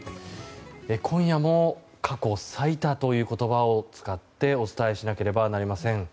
今夜も過去最多という言葉を使ってお伝えしなければなりません。